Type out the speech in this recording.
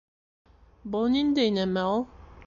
— Был ниндәй нәмә ул?